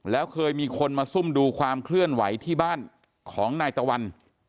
แล้วเคยมีคนมาซุ่มดูความเคลื่อนไหวที่บ้านของนายตะวัน